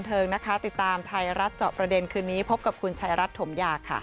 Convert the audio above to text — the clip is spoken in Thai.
ติดตามไทรรัฐจประเด็นคืนนี้พบกับคุณชายรัฐถมยาค่ะ